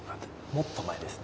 もっと前ですね。